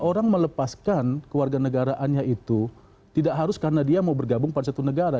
orang melepaskan kewarganegaraannya itu tidak harus karena dia mau bergabung pada satu negara